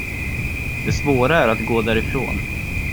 Det svåra är att gå därifrån.